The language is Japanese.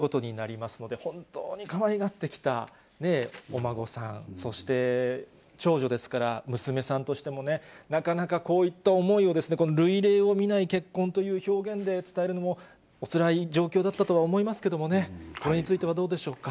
上皇ご夫妻にとっては、初孫ということになりますので、本当にかわいがってきたお孫さん、そして長女ですから、娘さんとしても、なかなかこういった思いを、類例を見ない結婚という表現で伝えるのも、おつらい状況だったとは思いますけどもね、これについてはどうでしょうか。